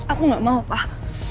aku gak mau pak